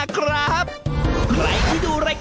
เครื่องบินตก